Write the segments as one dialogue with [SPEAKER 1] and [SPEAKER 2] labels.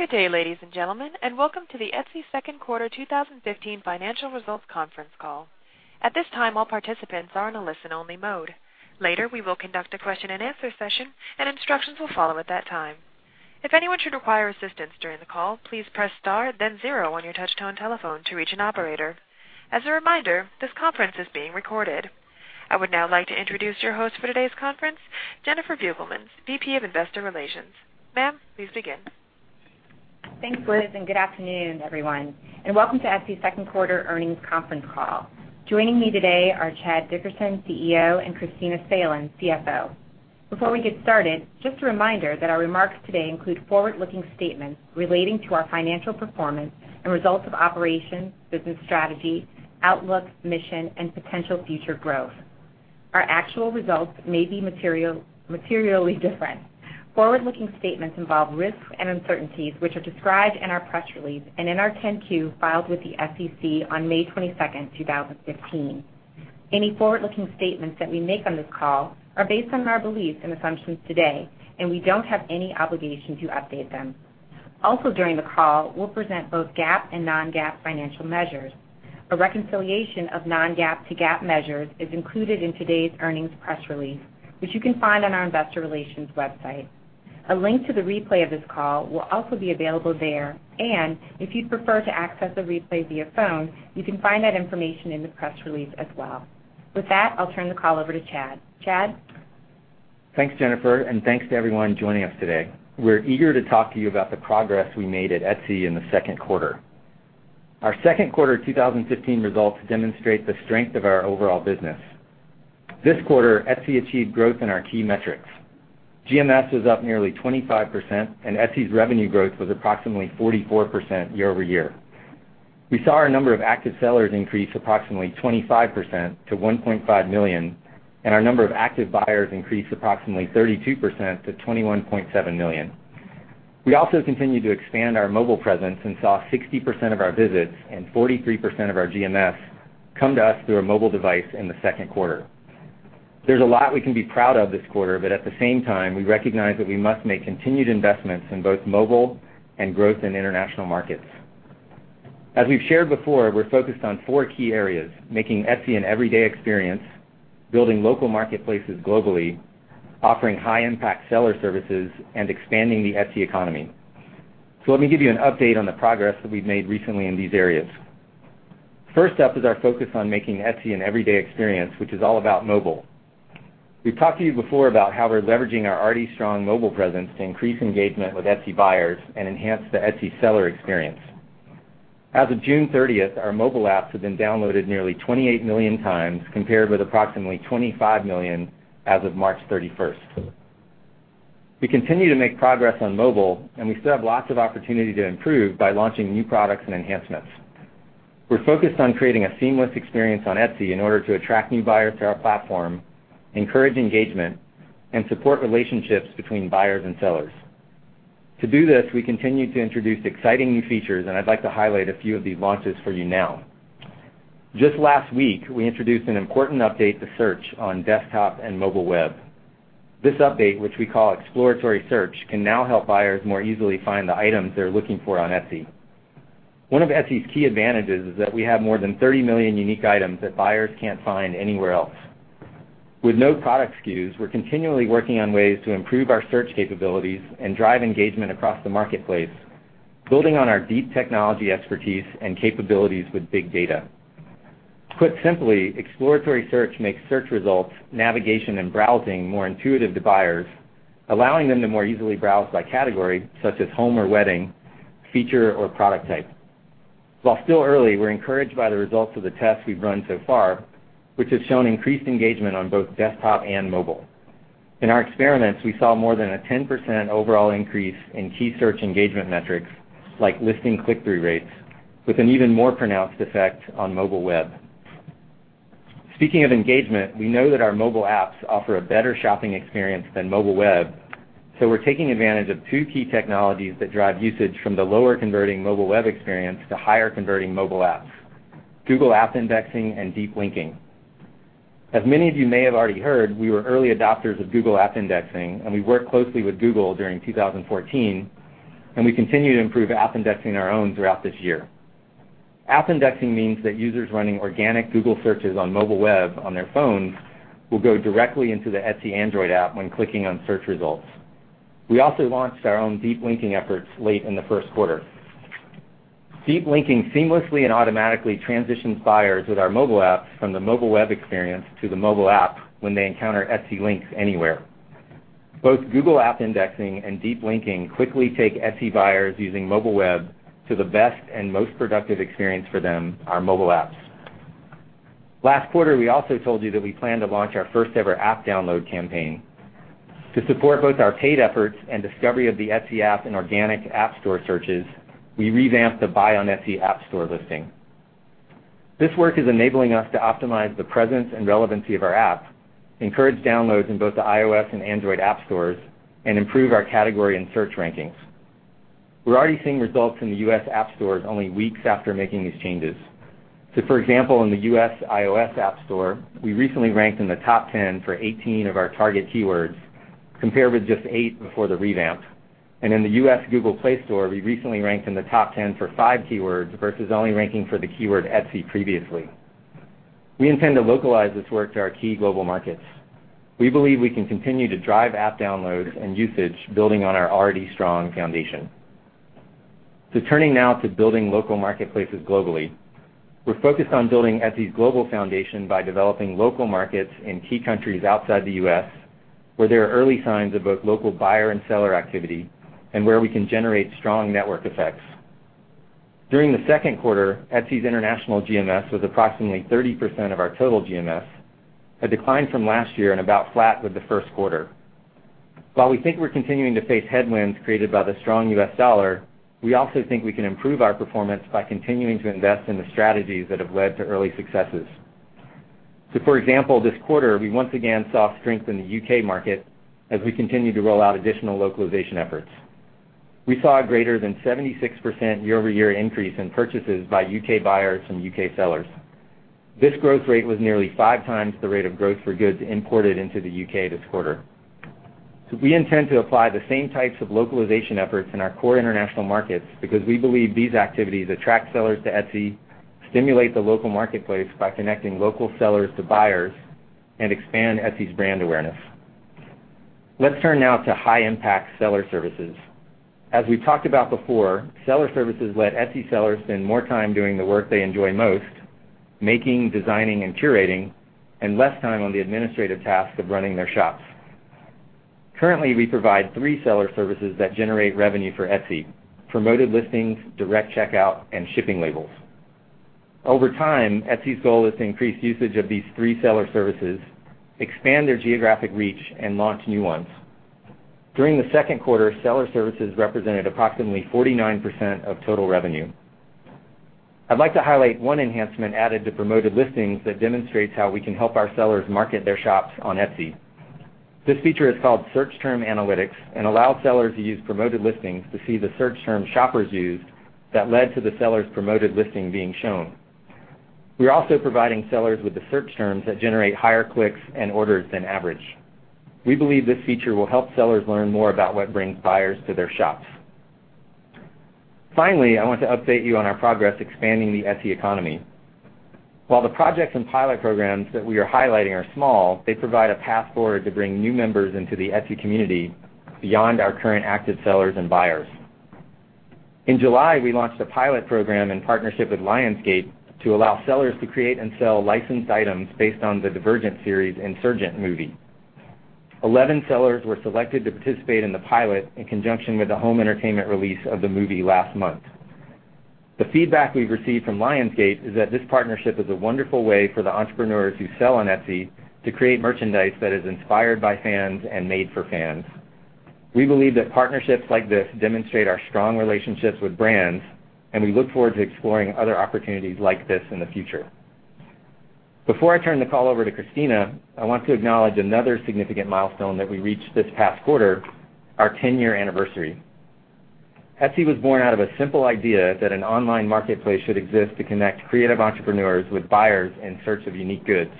[SPEAKER 1] Good day, ladies and gentlemen, and welcome to the Etsy Second Quarter 2015 financial results conference call. At this time, all participants are in a listen-only mode. Later, we will conduct a question and answer session, and instructions will follow at that time. If anyone should require assistance during the call, please press star then zero on your touchtone telephone to reach an operator. As a reminder, this conference is being recorded. I would now like to introduce your host for today's conference, Jennifer Beugelmans, VP of Investor Relations. Ma'am, please begin.
[SPEAKER 2] Thanks, Liz, Good afternoon, everyone, and welcome to Etsy second quarter earnings conference call. Joining me today are Chad Dickerson, CEO, and Kristina Salen, CFO. Before we get started, just a reminder that our remarks today include forward-looking statements relating to our financial performance and results of operations, business strategy, outlook, mission, and potential future growth. Our actual results may be materially different. Forward-looking statements involve risks and uncertainties which are described in our press release and in our 10-Q filed with the SEC on May 22nd, 2015. We don't have any obligation to update them. During the call, we'll present both GAAP and non-GAAP financial measures. A reconciliation of non-GAAP to GAAP measures is included in today's earnings press release, which you can find on our investor relations website. A link to the replay of this call will also be available there. If you'd prefer to access a replay via phone, you can find that information in the press release as well. With that, I'll turn the call over to Chad. Chad?
[SPEAKER 3] Thanks, Jennifer, Thanks to everyone joining us today. We're eager to talk to you about the progress we made at Etsy in the second quarter. Our second quarter 2015 results demonstrate the strength of our overall business. This quarter, Etsy achieved growth in our key metrics. GMS was up nearly 25%. Etsy's revenue growth was approximately 44% year-over-year. We saw our number of active sellers increase approximately 25% to 1.5 million. Our number of active buyers increased approximately 32% to 21.7 million. We also continued to expand our mobile presence and saw 60% of our visits and 43% of our GMS come to us through a mobile device in the second quarter. There's a lot we can be proud of this quarter, at the same time, we recognize that we must make continued investments in both mobile and growth in international markets. As we've shared before, we're focused on four key areas: making Etsy an everyday experience, building local marketplaces globally, offering high impact Seller Services, and expanding the Etsy economy. Let me give you an update on the progress that we've made recently in these areas. First up is our focus on making Etsy an everyday experience, which is all about mobile. We've talked to you before about how we're leveraging our already strong mobile presence to increase engagement with Etsy buyers and enhance the Etsy seller experience. As of June 30th, our mobile apps have been downloaded nearly 28 million times, compared with approximately 25 million as of March 31st. We continue to make progress on mobile, we still have lots of opportunity to improve by launching new products and enhancements. We're focused on creating a seamless experience on Etsy in order to attract new buyers to our platform, encourage engagement, and support relationships between buyers and sellers. To do this, we continue to introduce exciting new features, I'd like to highlight a few of these launches for you now. Just last week, we introduced an important update to search on desktop and mobile web. This update, which we call Exploratory Search, can now help buyers more easily find the items they're looking for on Etsy. One of Etsy's key advantages is that we have more than 30 million unique items that buyers can't find anywhere else. With no product SKUs, we're continually working on ways to improve our search capabilities and drive engagement across the marketplace, building on our deep technology expertise and capabilities with big data. Put simply, Exploratory Search makes search results, navigation, and browsing more intuitive to buyers, allowing them to more easily browse by category, such as home or wedding, feature, or product type. While still early, we're encouraged by the results of the tests we've run so far, which have shown increased engagement on both desktop and mobile. In our experiments, we saw more than a 10% overall increase in key search engagement metrics like listing click-through rates, with an even more pronounced effect on mobile web. Speaking of engagement, we know that our mobile apps offer a better shopping experience than mobile web. We're taking advantage of two key technologies that drive usage from the lower converting mobile web experience to higher converting mobile apps, Google App Indexing and Deep Linking. As many of you may have already heard, we were early adopters of Google App Indexing, we worked closely with Google during 2014, we continue to improve app indexing our own throughout this year. App indexing means that users running organic Google searches on mobile web on their phones will go directly into the Etsy Android app when clicking on search results. We also launched our own deep linking efforts late in the first quarter. Deep linking seamlessly and automatically transitions buyers with our mobile apps from the mobile web experience to the mobile app when they encounter Etsy links anywhere. Both Google App Indexing and Deep Linking quickly take Etsy buyers using mobile web to the best and most productive experience for them, our mobile apps. Last quarter, we also told you that we plan to launch our first ever app download campaign. To support both our paid efforts and discovery of the Etsy app in organic app store searches, we revamped the Buy on Etsy app store listing. This work is enabling us to optimize the presence and relevancy of our app, encourage downloads in both the iOS and Android app stores, and improve our category and search rankings. We are already seeing results in the U.S. app stores only weeks after making these changes. For example, in the U.S. iOS App Store, we recently ranked in the top 10 for 18 of our target keywords, compared with just eight before the revamp. In the U.S. Google Play Store, we recently ranked in the top 10 for five keywords versus only ranking for the keyword Etsy previously. We intend to localize this work to our key global markets. We believe we can continue to drive app downloads and usage building on our already strong foundation. Turning now to building local marketplaces globally. We are focused on building Etsy's global foundation by developing local markets in key countries outside the U.S., where there are early signs of both local buyer and seller activity, and where we can generate strong network effects. During the second quarter, Etsy's international GMS was approximately 30% of our total GMS, a decline from last year and about flat with the first quarter. While we think we are continuing to face headwinds created by the strong U.S. dollar, we also think we can improve our performance by continuing to invest in the strategies that have led to early successes. For example, this quarter, we once again saw strength in the U.K. market as we continue to roll out additional localization efforts. We saw a greater than 76% year-over-year increase in purchases by U.K. buyers from U.K. sellers. This growth rate was nearly five times the rate of growth for goods imported into the U.K. this quarter. We intend to apply the same types of localization efforts in our core international markets because we believe these activities attract sellers to Etsy, stimulate the local marketplace by connecting local sellers to buyers, and expand Etsy's brand awareness. Let's turn now to high impact Seller Services. As we have talked about before, Seller Services let Etsy sellers spend more time doing the work they enjoy most, making, designing, and curating, and less time on the administrative tasks of running their shops. Currently, we provide three Seller Services that generate revenue for Etsy, Promoted Listings, Direct Checkout, and Shipping Labels. Over time, Etsy's goal is to increase usage of these three Seller Services, expand their geographic reach, and launch new ones. During the second quarter, Seller Services represented approximately 49% of total revenue. I would like to highlight one enhancement added to Promoted Listings that demonstrates how we can help our sellers market their shops on Etsy. This feature is called Search Term Analytics and allows sellers to use Promoted Listings to see the search terms shoppers used that led to the seller's promoted listing being shown. We're also providing sellers with the search terms that generate higher clicks and orders than average. We believe this feature will help sellers learn more about what brings buyers to their shops. Finally, I want to update you on our progress expanding the Etsy economy. While the projects and pilot programs that we are highlighting are small, they provide a path forward to bring new members into the Etsy community beyond our current active sellers and buyers. In July, we launched a pilot program in partnership with Lionsgate to allow sellers to create and sell licensed items based on The Divergent Series: Insurgent movie. 11 sellers were selected to participate in the pilot in conjunction with the home entertainment release of the movie last month. The feedback we've received from Lionsgate is that this partnership is a wonderful way for the entrepreneurs who sell on Etsy to create merchandise that is inspired by fans and made for fans. We believe that partnerships like this demonstrate our strong relationships with brands, and we look forward to exploring other opportunities like this in the future. Before I turn the call over to Kristina, I want to acknowledge another significant milestone that we reached this past quarter, our 10-year anniversary. Etsy was born out of a simple idea that an online marketplace should exist to connect creative entrepreneurs with buyers in search of unique goods.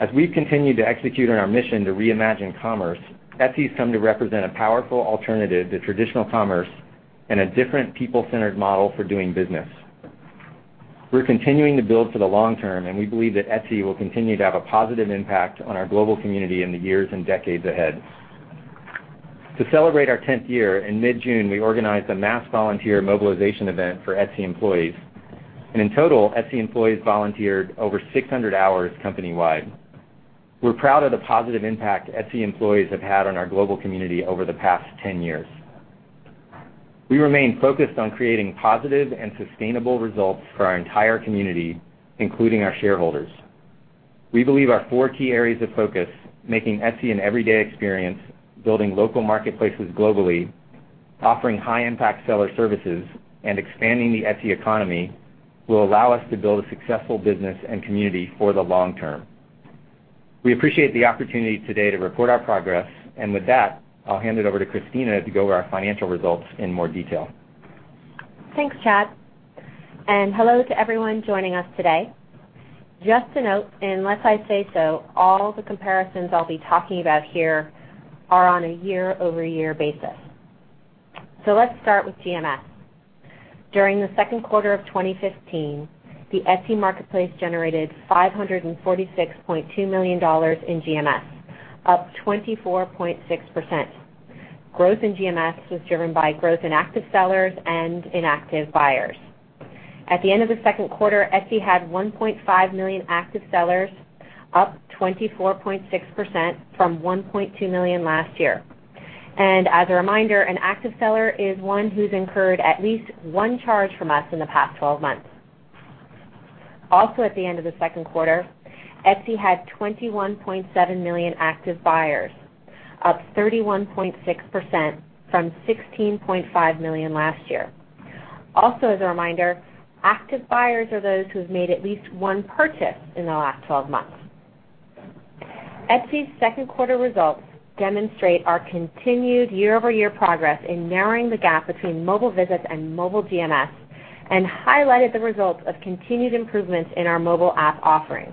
[SPEAKER 3] As we've continued to execute on our mission to reimagine commerce, Etsy's come to represent a powerful alternative to traditional commerce and a different people-centered model for doing business. We're continuing to build for the long term, and we believe that Etsy will continue to have a positive impact on our global community in the years and decades ahead. To celebrate our 10th year, in mid-June, we organized a mass volunteer mobilization event for Etsy employees. In total, Etsy employees volunteered over 600 hours company-wide. We're proud of the positive impact Etsy employees have had on our global community over the past 10 years. We remain focused on creating positive and sustainable results for our entire community, including our shareholders. We believe our four key areas of focus, making Etsy an everyday experience, building local marketplaces globally, offering high-impact Seller Services, and expanding the Etsy economy, will allow us to build a successful business and community for the long term. We appreciate the opportunity today to report our progress. With that, I'll hand it over to Kristina to go over our financial results in more detail.
[SPEAKER 4] Thanks, Chad, hello to everyone joining us today. Just to note, unless I say so, all the comparisons I'll be talking about here are on a year-over-year basis. Let's start with GMS. During the second quarter of 2015, the Etsy marketplace generated $546.2 million in GMS, up 24.6%. Growth in GMS was driven by growth in active sellers and in active buyers. At the end of the second quarter, Etsy had 1.5 million active sellers, up 24.6% from 1.2 million last year. As a reminder, an active seller is one who's incurred at least one charge from us in the past 12 months. Also at the end of the second quarter, Etsy had 21.7 million active buyers, up 31.6% from 16.5 million last year. Also as a reminder, active buyers are those who have made at least one purchase in the last 12 months. Etsy's second quarter results demonstrate our continued year-over-year progress in narrowing the gap between mobile visits and mobile GMS, and highlighted the results of continued improvements in our mobile app offerings.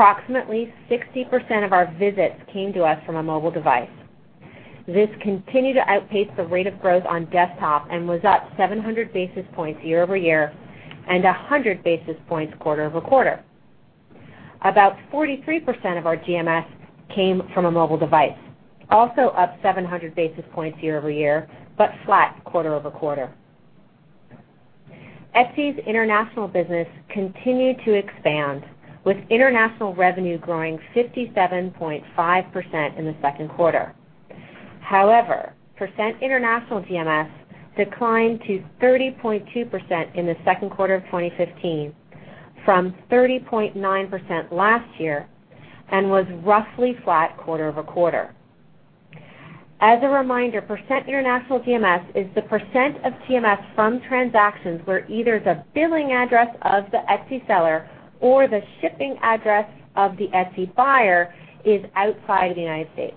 [SPEAKER 4] Approximately 60% of our visits came to us from a mobile device. This continued to outpace the rate of growth on desktop and was up 700 basis points year-over-year and 100 basis points quarter-over-quarter. About 43% of our GMS came from a mobile device, also up 700 basis points year-over-year, but flat quarter-over-quarter. Etsy's international business continued to expand with international revenue growing 57.5% in the second quarter. However, percent international GMS declined to 30.2% in the second quarter of 2015 from 30.9% last year and was roughly flat quarter-over-quarter. As a reminder, percent international GMS is the percent of GMS from transactions where either the billing address of the Etsy seller or the shipping address of the Etsy buyer is outside the U.S.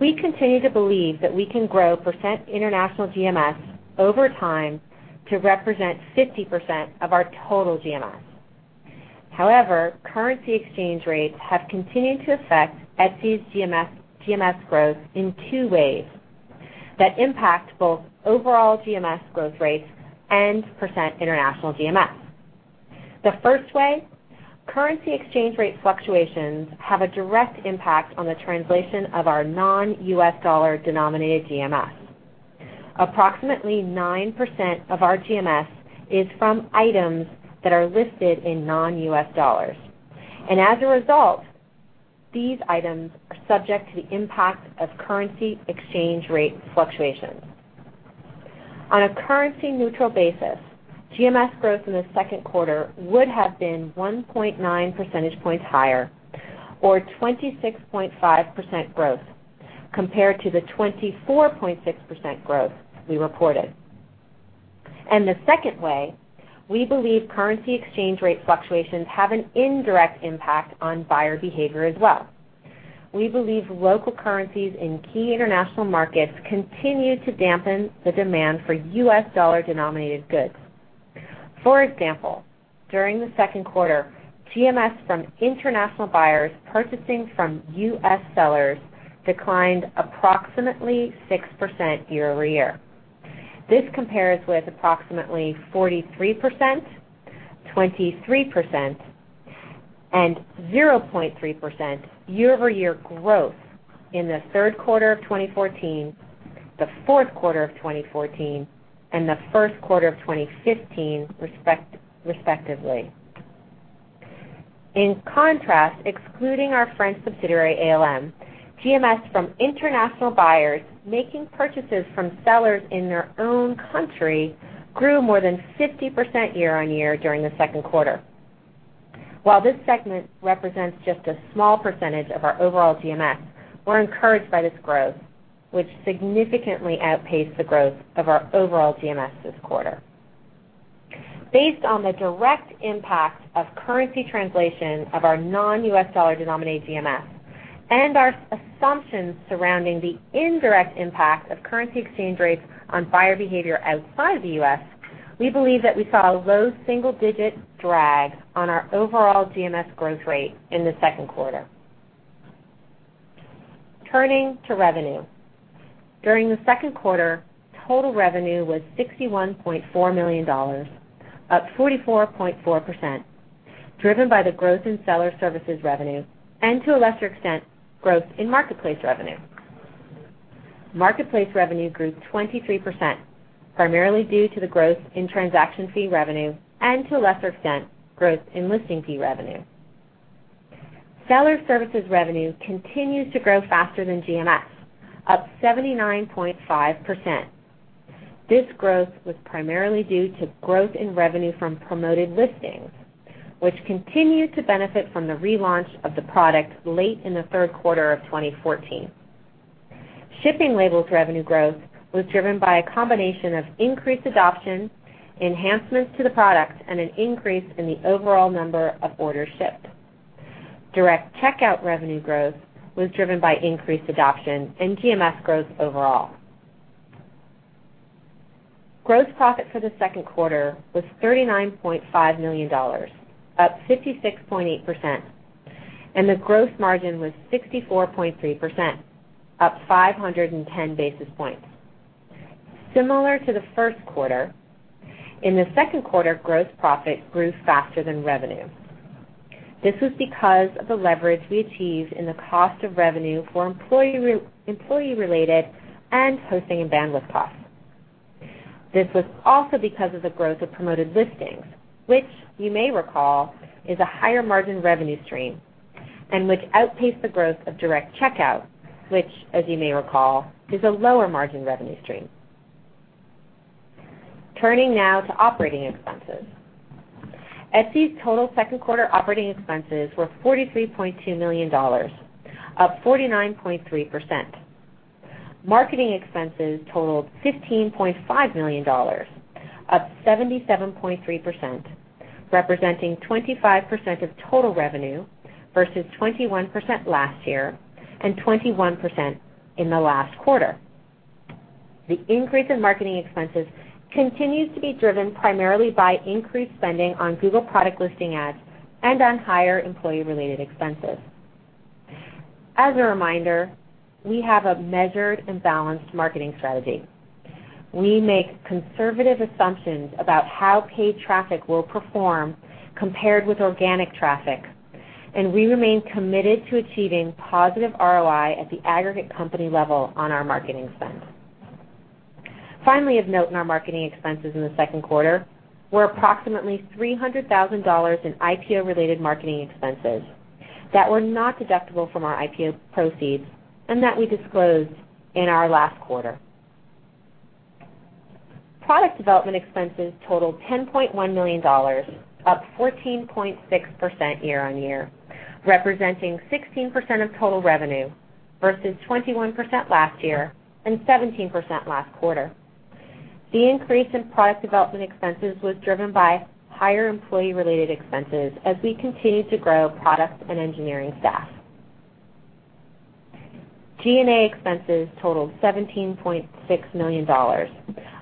[SPEAKER 4] We continue to believe that we can grow percent international GMS over time to represent 50% of our total GMS. However, currency exchange rates have continued to affect Etsy's GMS growth in two ways that impact both overall GMS growth rates and percent international GMS. The first way, currency exchange rate fluctuations have a direct impact on the translation of our non-U.S. dollar denominated GMS. Approximately 9% of our GMS is from items that are listed in non-U.S. dollars. As a result, these items are subject to the impact of currency exchange rate fluctuations. On a currency neutral basis, GMS growth in the second quarter would have been 1.9 percentage points higher, or 26.5% growth, compared to the 24.6% growth we reported. The second way, we believe currency exchange rate fluctuations have an indirect impact on buyer behavior as well. We believe local currencies in key international markets continue to dampen the demand for U.S. dollar denominated goods. For example, during the second quarter, GMS from international buyers purchasing from U.S. sellers declined approximately 6% year-over-year. This compares with approximately 43%, 23%, and 0.3% year-over-year growth in the third quarter of 2014, the fourth quarter of 2014, and the first quarter of 2015 respectively. In contrast, excluding our French subsidiary, A Little Market, GMS from international buyers making purchases from sellers in their own country grew more than 50% year-on-year during the second quarter. While this segment represents just a small percentage of our overall GMS, we're encouraged by this growth, which significantly outpaced the growth of our overall GMS this quarter. Based on the direct impact of currency translation of our non-US dollar denominated GMS and our assumptions surrounding the indirect impact of currency exchange rates on buyer behavior outside the U.S., we believe that we saw a low single-digit drag on our overall GMS growth rate in the second quarter. Turning to revenue. During the second quarter, total revenue was $61.4 million, up 44.4%, driven by the growth in Seller Services revenue and to a lesser extent, growth in marketplace revenue. Marketplace revenue grew 23%, primarily due to the growth in transaction fee revenue and to a lesser extent, growth in listing fee revenue. Seller Services revenue continues to grow faster than GMS, up 79.5%. This growth was primarily due to growth in revenue from Promoted Listings, which continued to benefit from the relaunch of the product late in the third quarter of 2014. Shipping Labels revenue growth was driven by a combination of increased adoption, enhancements to the product, and an increase in the overall number of orders shipped. Direct Checkout revenue growth was driven by increased adoption and GMS growth overall. Gross profit for the second quarter was $39.5 million, up 56.8%, and the gross margin was 64.3%, up 510 basis points. Similar to the first quarter, in the second quarter, gross profit grew faster than revenue. This was because of the leverage we achieved in the cost of revenue for employee-related and hosting and bandwidth costs. This was also because of the growth of Promoted Listings, which you may recall, is a higher margin revenue stream and which outpaced the growth of Direct Checkout, which as you may recall, is a lower margin revenue stream. Turning now to operating expenses. Etsy's total second quarter operating expenses were $43.2 million, up 49.3%. Marketing expenses totaled $15.5 million, up 77.3%, representing 25% of total revenue versus 21% last year and 21% in the last quarter. The increase in marketing expenses continues to be driven primarily by increased spending on Google Product Listing Ads and on higher employee-related expenses. As a reminder, we have a measured and balanced marketing strategy. We make conservative assumptions about how paid traffic will perform compared with organic traffic, and we remain committed to achieving positive ROI at the aggregate company level on our marketing spend. Of note in our marketing expenses in the second quarter were approximately $300,000 in IPO-related marketing expenses that were not deductible from our IPO proceeds and that we disclosed in our last quarter. Product development expenses totaled $10.1 million, up 14.6% year-over-year, representing 16% of total revenue versus 21% last year and 17% last quarter. The increase in product development expenses was driven by higher employee-related expenses as we continued to grow product and engineering staff. G&A expenses totaled $17.6 million,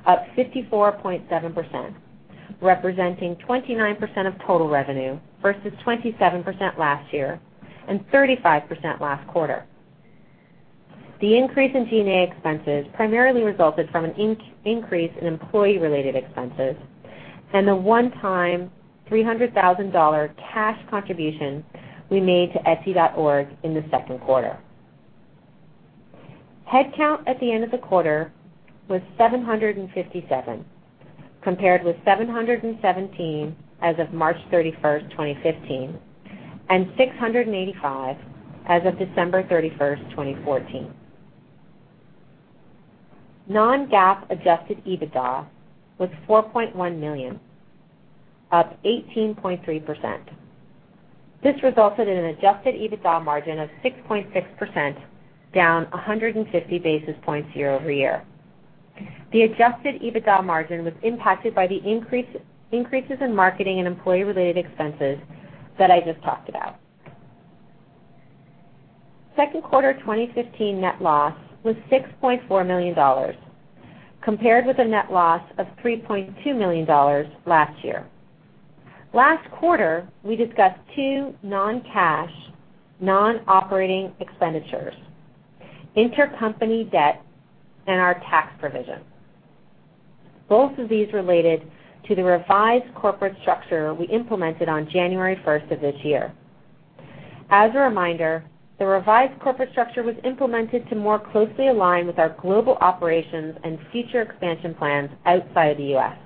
[SPEAKER 4] up 54.7%, representing 29% of total revenue versus 27% last year and 35% last quarter. The increase in G&A expenses primarily resulted from an increase in employee-related expenses and the one-time $300,000 cash contribution we made to Etsy.org in the second quarter. Headcount at the end of the quarter was 757, compared with 717 as of March 31st, 2015, and 685 as of December 31st, 2014. Non-GAAP adjusted EBITDA was $4.1 million, up 18.3%. This resulted in an adjusted EBITDA margin of 6.6%, down 150 basis points year-over-year. The adjusted EBITDA margin was impacted by the increases in marketing and employee-related expenses that I just talked about. Second quarter 2015 net loss was $6.4 million, compared with a net loss of $3.2 million last year. Last quarter, we discussed two non-cash non-operating expenditures, intercompany debt and our tax provision. Both of these related to the revised corporate structure we implemented on January 1st of this year. As a reminder, the revised corporate structure was implemented to more closely align with our global operations and future expansion plans outside the U.S.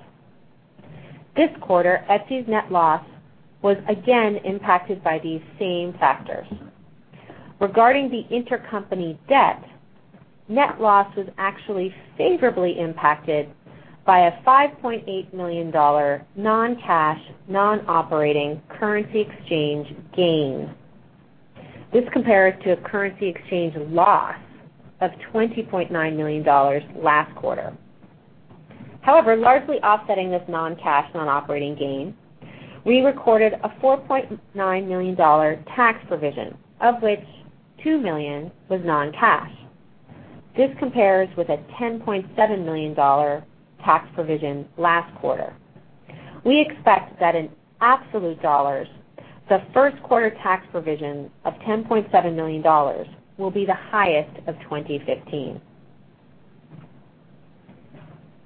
[SPEAKER 4] This quarter, Etsy's net loss was again impacted by these same factors. Regarding the intercompany debt, net loss was actually favorably impacted by a $5.8 million non-cash non-operating currency exchange gain. This compares to a currency exchange loss of $20.9 million last quarter. Largely offsetting this non-cash non-operating gain, we recorded a $4.9 million tax provision, of which $2 million was non-cash. This compares with a $10.7 million tax provision last quarter. We expect that in absolute dollars, the first quarter tax provision of $10.7 million will be the highest of 2015.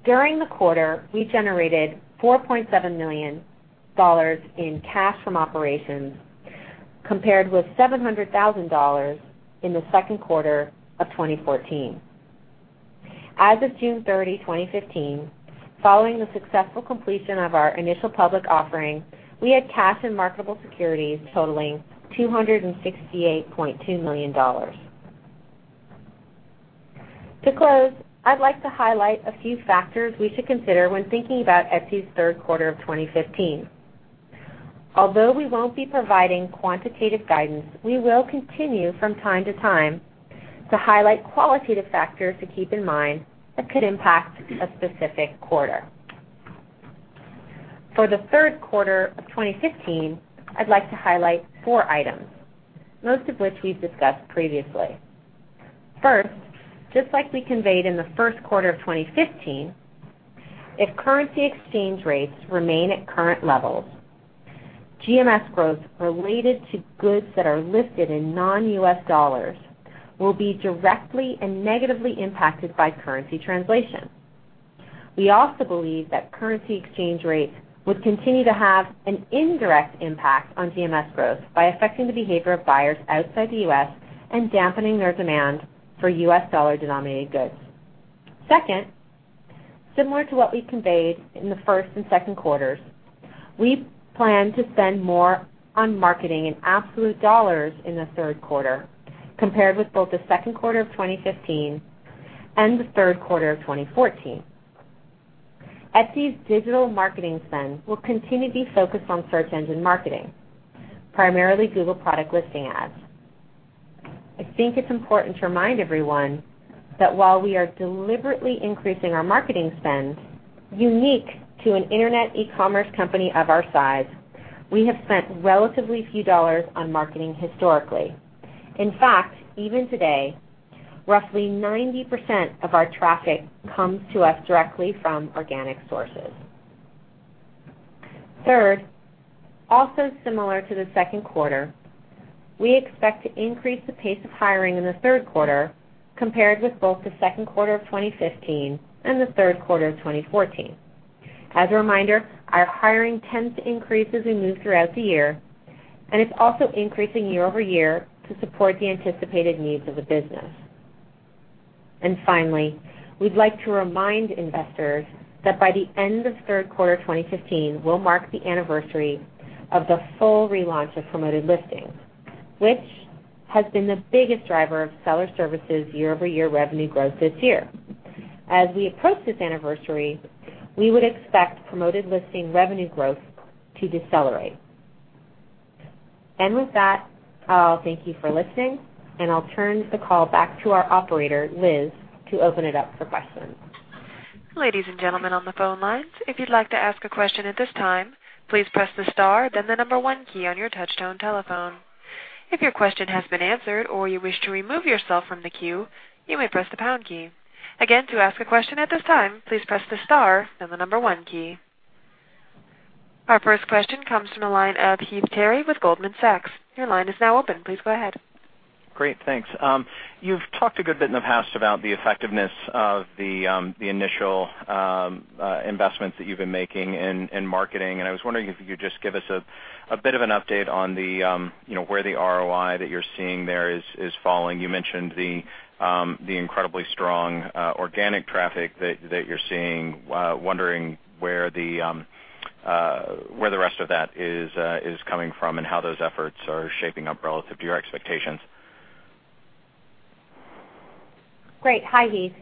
[SPEAKER 4] During the quarter, we generated $4.7 million in cash from operations, compared with $700,000 in the second quarter of 2014. As of June 30, 2015, following the successful completion of our initial public offering, we had cash and marketable securities totaling $268.2 million. To close, I'd like to highlight a few factors we should consider when thinking about Etsy's third quarter of 2015. Although we won't be providing quantitative guidance, we will continue from time to time to highlight qualitative factors to keep in mind that could impact a specific quarter. For the third quarter of 2015, I'd like to highlight four items, most of which we've discussed previously. First, just like we conveyed in the first quarter of 2015, if currency exchange rates remain at current levels, GMS growth related to goods that are listed in non-U.S. dollars will be directly and negatively impacted by currency translation. We also believe that currency exchange rates would continue to have an indirect impact on GMS growth by affecting the behavior of buyers outside the U.S. and dampening their demand for U.S. dollar-denominated goods. Second, similar to what we conveyed in the first and second quarters, we plan to spend more on marketing in absolute dollars in the third quarter compared with both the second quarter of 2015 and the third quarter of 2014. Etsy's digital marketing spend will continue to be focused on search engine marketing, primarily Google Product Listing Ads. I think it's important to remind everyone that while we are deliberately increasing our marketing spend, unique to an internet e-commerce company of our size, we have spent relatively few dollars on marketing historically. In fact, even today, roughly 90% of our traffic comes to us directly from organic sources. Third, also similar to the second quarter, we expect to increase the pace of hiring in the third quarter compared with both the second quarter of 2015 and the third quarter of 2014. A reminder, our hiring tends to increase as we move throughout the year, it's also increasing year-over-year to support the anticipated needs of the business. Finally, we'd like to remind investors that by the end of third quarter 2015 will mark the anniversary of the full relaunch of Promoted Listings, which has been the biggest driver of Seller Services year-over-year revenue growth this year. As we approach this anniversary, we would expect Promoted Listings revenue growth to decelerate. With that, I'll thank you for listening, and I'll turn the call back to our operator, Liz, to open it up for questions.
[SPEAKER 1] Ladies and gentlemen on the phone lines, if you'd like to ask a question at this time, please press the star then the number 1 key on your touch-tone telephone. If your question has been answered or you wish to remove yourself from the queue, you may press the pound key. Again, to ask a question at this time, please press the star, then the number 1 key. Our first question comes from the line of Heath Terry with Goldman Sachs. Your line is now open. Please go ahead.
[SPEAKER 5] Great, thanks. You've talked a good bit in the past about the effectiveness of the initial investments that you've been making in marketing, and I was wondering if you could just give us a bit of an update on where the ROI that you're seeing there is falling. You mentioned the incredibly strong organic traffic that you're seeing. Wondering where the rest of that is coming from and how those efforts are shaping up relative to your expectations.
[SPEAKER 4] Great. Hi, Heath.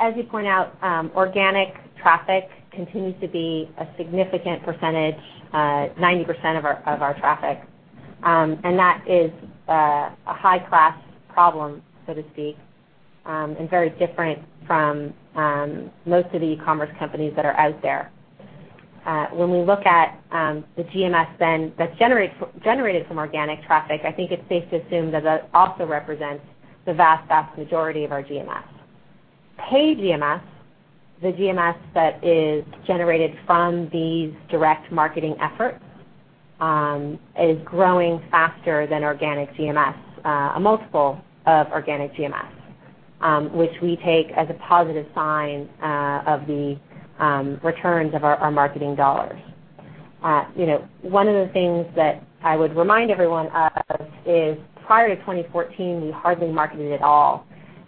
[SPEAKER 4] As you point out, organic traffic continues to be a significant percentage, 90% of our traffic. That is a high-class problem, so to speak, and very different from most of the e-commerce companies that are out there. When we look at the GMS, then, that's generated from organic traffic, I think it's safe to assume that that also represents the vast majority of our GMS. Paid GMS, the GMS that is generated from these direct marketing efforts, is growing faster than organic GMS, a multiple of organic GMS, which we take as a positive sign of the returns of our marketing dollars. One of the things that I would remind everyone of is prior to 2014, we hardly marketed at all.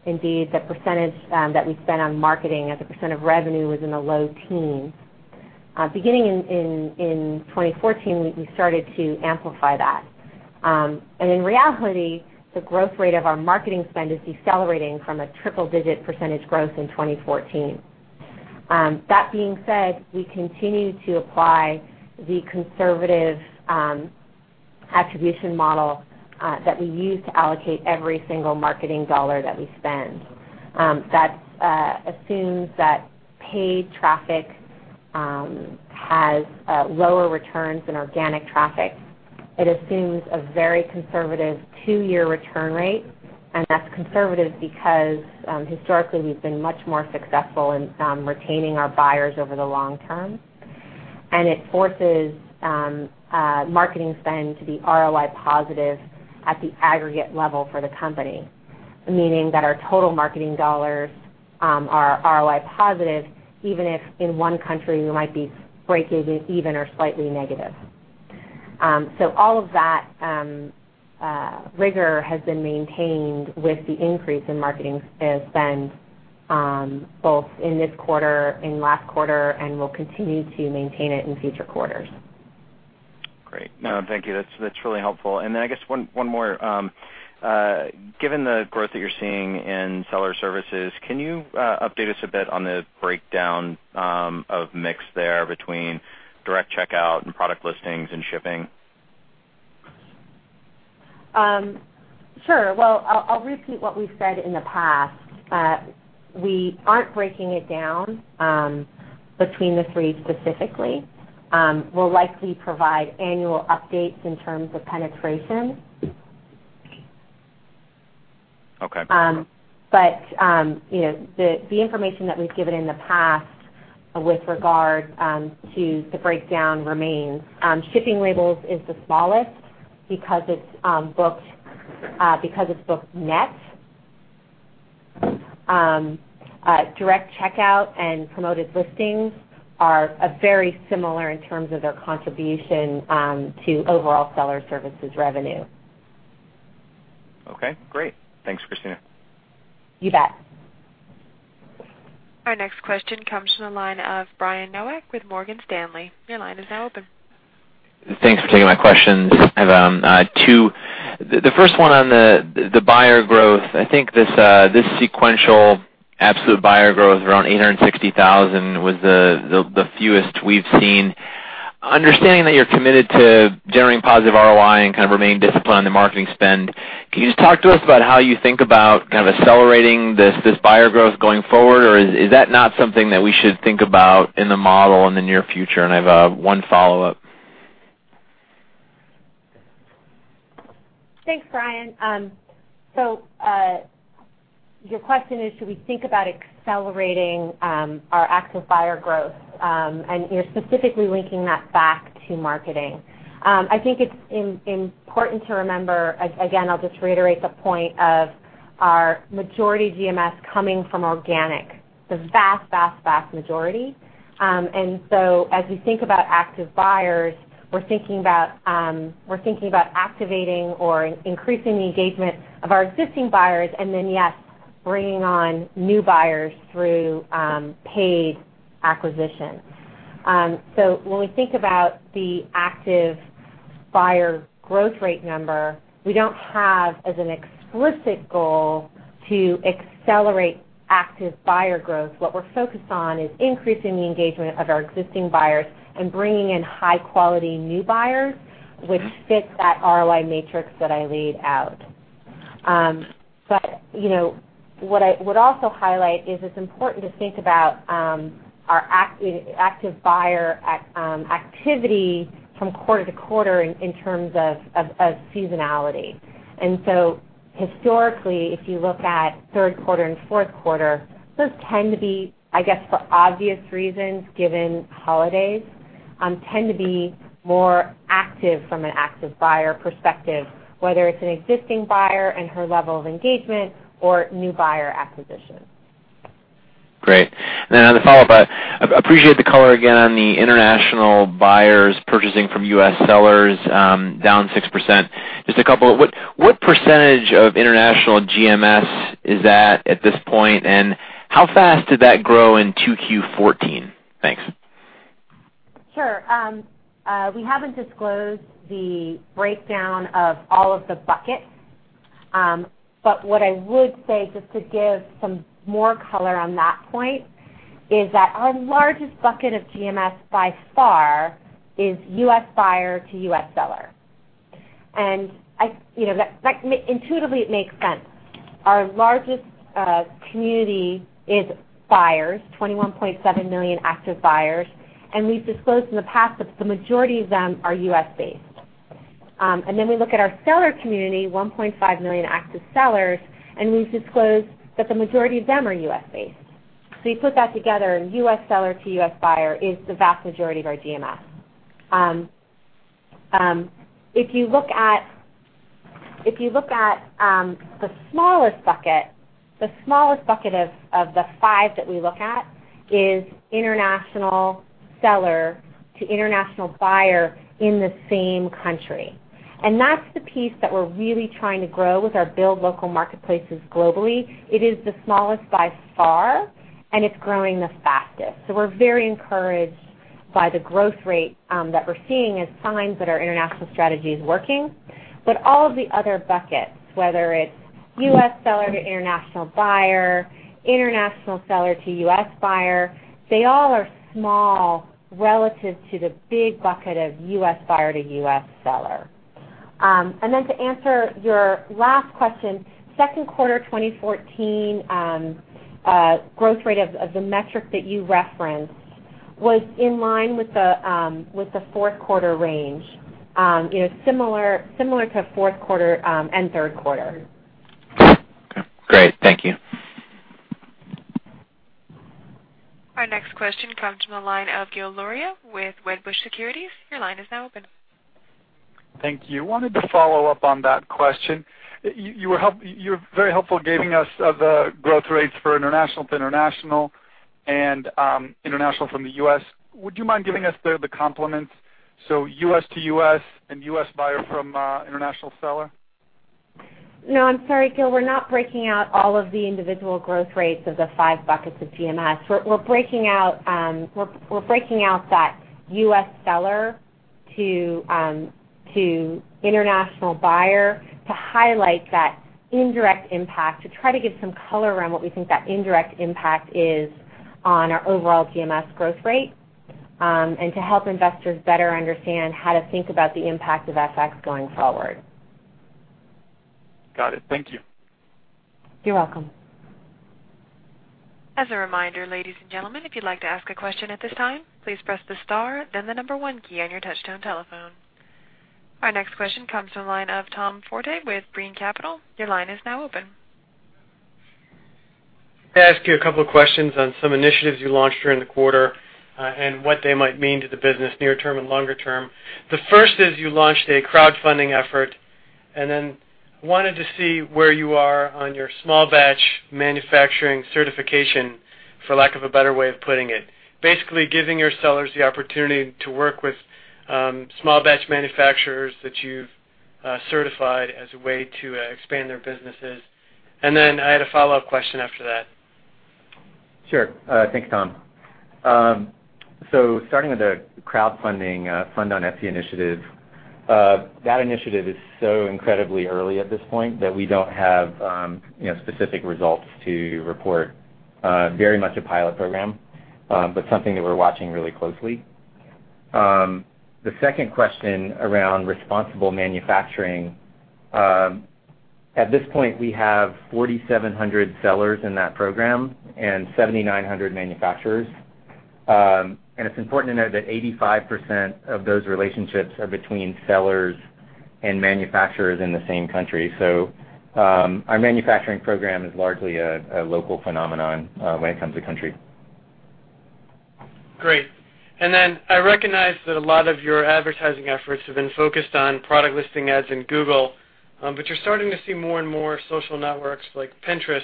[SPEAKER 4] Indeed, the percentage that we spent on marketing as a % of revenue was in the low teens. Beginning in 2014, we started to amplify that. In reality, the growth rate of our marketing spend is decelerating from a triple-digit percentage growth in 2014. That being said, we continue to apply the conservative attribution model that we use to allocate every single marketing dollar that we spend. That assumes that paid traffic has lower returns than organic traffic. It assumes a very conservative two-year return rate, and that's conservative because historically, we've been much more successful in retaining our buyers over the long term. It forces marketing spend to be ROI positive at the aggregate level for the company, meaning that our total marketing dollars are ROI positive, even if in one country we might be breaking even or slightly negative. All of that rigor has been maintained with the increase in marketing spend both in this quarter and last quarter, and we'll continue to maintain it in future quarters.
[SPEAKER 5] Great. No, thank you. That's really helpful. Then I guess one more. Given the growth that you're seeing in Seller Services, can you update us a bit on the breakdown of mix there between Direct Checkout and Promoted Listings and Shipping Labels?
[SPEAKER 4] Sure. Well, I'll repeat what we've said in the past. We aren't breaking it down between the three specifically. We'll likely provide annual updates in terms of penetration.
[SPEAKER 5] Okay.
[SPEAKER 4] The information that we've given in the past with regard to the breakdown remains. Shipping Labels is the smallest because it's booked net. Direct Checkout and Promoted Listings are very similar in terms of their contribution to overall Seller Services revenue.
[SPEAKER 5] Okay, great. Thanks, Kristina.
[SPEAKER 4] You bet.
[SPEAKER 1] Our next question comes from the line of Brian Nowak with Morgan Stanley. Your line is now open.
[SPEAKER 6] Thanks for taking my questions. I have two. The first one on the buyer growth. I think this sequential absolute buyer growth, around 860,000, was the fewest we've seen. Understanding that you're committed to generating positive ROI and kind of remaining disciplined on the marketing spend, can you just talk to us about how you think about kind of accelerating this buyer growth going forward? Or is that not something that we should think about in the model in the near future? I have one follow-up.
[SPEAKER 4] Thanks, Brian. Your question is, should we think about accelerating our active buyer growth? You're specifically linking that back to marketing. I think it's important to remember, again, I'll just reiterate the point of our majority GMS coming from organic. The vast, vast majority. As you think about active buyers, we're thinking about activating or increasing the engagement of our existing buyers and then, yes, bringing on new buyers through paid acquisition. When we think about the active buyer growth rate number, we don't have as an explicit goal to accelerate active buyer growth. What we're focused on is increasing the engagement of our existing buyers and bringing in high-quality new buyers which fit that ROI matrix that I laid out. What I would also highlight is it's important to think about our active buyer activity from quarter to quarter in terms of seasonality. Historically, if you look at third quarter and fourth quarter, those tend to be, I guess for obvious reasons, given holidays, tend to be more active from an active buyer perspective, whether it's an existing buyer and her level of engagement or new buyer acquisition.
[SPEAKER 6] Great. On the follow-up, I appreciate the color again on the international buyers purchasing from U.S. sellers, down 6%. Just a couple. What percentage of international GMS is that at this point, and how fast did that grow in 2Q14? Thanks.
[SPEAKER 4] Sure. We haven't disclosed the breakdown of all of the buckets. What I would say, just to give some more color on that point, is that our largest bucket of GMS by far is U.S. buyer to U.S. seller. Intuitively it makes sense. Our largest community is buyers, 21.7 million active buyers, and we've disclosed in the past that the majority of them are U.S.-based. Then we look at our seller community, 1.5 million active sellers, and we've disclosed that the majority of them are U.S.-based. You put that together, and U.S. seller to U.S. buyer is the vast majority of our GMS. If you look at the smallest bucket, the smallest bucket of the five that we look at is international seller to international buyer in the same country. That's the piece that we're really trying to grow with our build local marketplaces globally. It is the smallest by far, and it's growing the fastest. We're very encouraged by the growth rate that we're seeing as signs that our international strategy is working. All of the other buckets, whether it's U.S. seller to international buyer, international seller to U.S. buyer, they all are small relative to the big bucket of U.S. buyer to U.S. seller. To answer your last question, second quarter 2014, growth rate of the metric that you referenced was in line with the fourth quarter range. Similar to fourth quarter and third quarter.
[SPEAKER 6] Okay, great. Thank you.
[SPEAKER 1] Our next question comes from the line of Gil Luria with Wedbush Securities. Your line is now open.
[SPEAKER 7] Thank you. Wanted to follow up on that question. You were very helpful giving us the growth rates for international to international and international from the U.S. Would you mind giving us the complement, so U.S. to U.S. and U.S. buyer from international seller?
[SPEAKER 4] No, I'm sorry, Gil. We're not breaking out all of the individual growth rates of the five buckets of GMS. We're breaking out that U.S. seller to international buyer to highlight that indirect impact, to try to give some color around what we think that indirect impact is on our overall GMS growth rate. To help investors better understand how to think about the impact of FX going forward.
[SPEAKER 7] Got it. Thank you.
[SPEAKER 4] You're welcome.
[SPEAKER 1] As a reminder, ladies and gentlemen, if you'd like to ask a question at this time, please press the star, then the number one key on your touchtone telephone. Our next question comes from the line of Tom Forte with Brean Capital. Your line is now open.
[SPEAKER 8] Can I ask you a couple of questions on some initiatives you launched during the quarter, and what they might mean to the business near term and longer term? The first is you launched a crowdfunding effort. I wanted to see where you are on your small batch manufacturing certification, for lack of a better way of putting it. Basically giving your sellers the opportunity to work with small batch manufacturers that you've certified as a way to expand their businesses. I had a follow-up question after that.
[SPEAKER 3] Sure. Thanks, Tom. Starting with the crowdfunding Fund on Etsy initiative, that initiative is so incredibly early at this point that we don't have specific results to report. Very much a pilot program, but something that we're watching really closely. The second question around responsible manufacturing. At this point, we have 4,700 sellers in that program and 7,900 manufacturers. It's important to note that 85% of those relationships are between sellers and manufacturers in the same country. Our manufacturing program is largely a local phenomenon when it comes to country.
[SPEAKER 8] Great. I recognize that a lot of your advertising efforts have been focused on Google Product Listing Ads. You're starting to see more and more social networks like Pinterest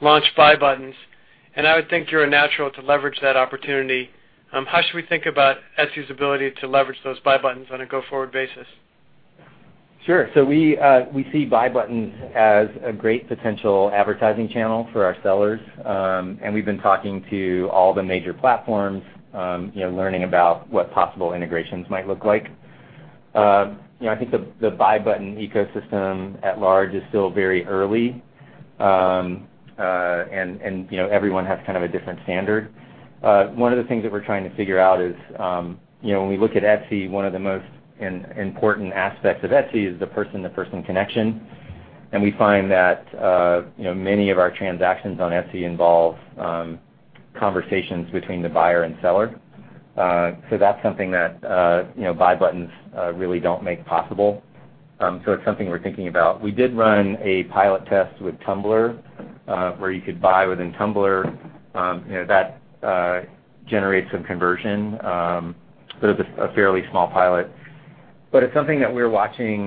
[SPEAKER 8] launch buy buttons. I would think you're a natural to leverage that opportunity. How should we think about Etsy's ability to leverage those buy buttons on a go-forward basis?
[SPEAKER 3] We see buy buttons as a great potential advertising channel for our sellers. We've been talking to all the major platforms, learning about what possible integrations might look like. I think the buy button ecosystem at large is still very early. Everyone has kind of a different standard. One of the things that we're trying to figure out is, when we look at Etsy, one of the most important aspects of Etsy is the person-to-person connection. We find that many of our transactions on Etsy involve conversations between the buyer and seller. That's something that buy buttons really don't make possible. It's something we're thinking about. We did run a pilot test with Tumblr, where you could buy within Tumblr. That generated some conversion, but it was a fairly small pilot. It's something that we're watching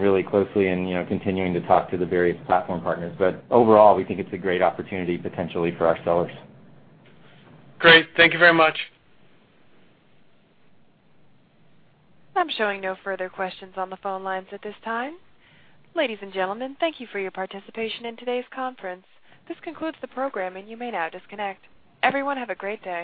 [SPEAKER 3] really closely and continuing to talk to the various platform partners. Overall, we think it's a great opportunity potentially for our sellers.
[SPEAKER 8] Great. Thank you very much.
[SPEAKER 1] I'm showing no further questions on the phone lines at this time. Ladies and gentlemen, thank you for your participation in today's conference. This concludes the program, and you may now disconnect. Everyone, have a great day.